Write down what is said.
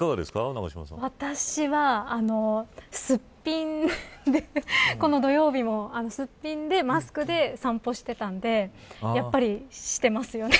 私は、すっぴんでこの土曜日もすっぴんでマスクで散歩してたんでやっぱりしてますよね。